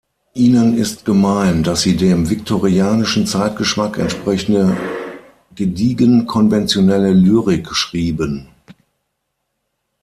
Ihnen ist gemein, dass sie dem viktorianischen Zeitgeschmack entsprechende gediegen-konventionelle Lyrik schrieben.